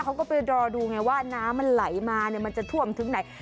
เขาก็ไปรอดูว่าน้ำไหลมาจะถวมทึ่งไหน